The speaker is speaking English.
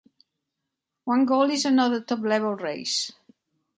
One goal is another top-level race.